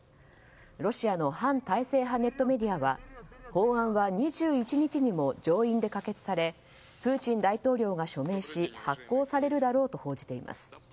ロシアの反体制派ネットメディアは法案は２１日にも上院で可決されプーチン大統領が署名し発効されるだろうと報じています。